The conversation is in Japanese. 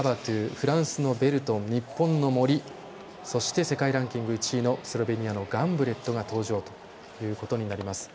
フランスのベルトン、日本の森そして世界ランキング１位のスロベニアのガンブレットが登場ということになります。